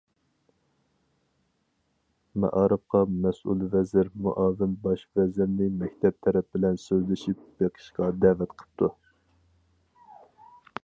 مائارىپقا مەسئۇل ۋەزىر مۇئاۋىن باش ۋەزىرنى مەكتەپ تەرەپ بىلەن سۆزلىشىپ بېقىشقا دەۋەت قىپتۇ.